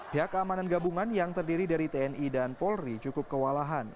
pihak keamanan gabungan yang terdiri dari tni dan polri cukup kewalahan